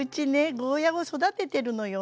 ゴーヤーを育ててるのよ。